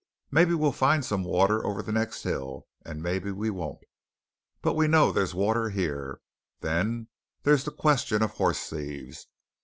Maybe we'll find some water over the next hill, and maybe we won't. But we know there's water here. Then there's the question of hoss thieves.